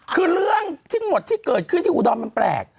คือเรื่องที่มีทั้งหมดที่เกิดที่อุดอมมันแปลก